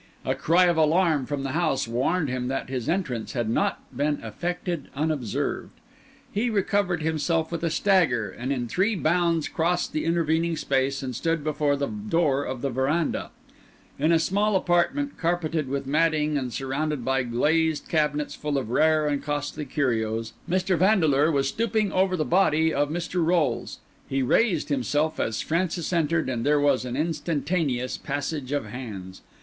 A cry of alarm from the house warned him that his entrance had not been effected unobserved. He recovered himself with a stagger, and in three bounds crossed the intervening space and stood before the door in the verandah. In a small apartment, carpeted with matting and surrounded by glazed cabinets full of rare and costly curios, Mr. Vandeleur was stooping over the body of Mr. Rolles. He raised himself as Francis entered, and there was an instantaneous passage of hands.